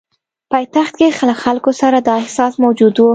پایتخت کې له خلکو سره دا احساس موجود وو.